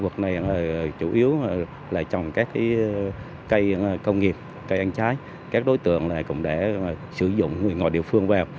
cây công nghiệp cây ăn trái các đối tượng này cũng để sử dụng người ngồi địa phương vào